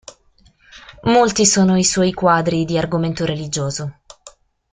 Molti sono i suoi quadri di argomento religioso.